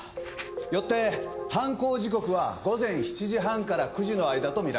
よって犯行時刻は午前７時半から９時の間と見られます。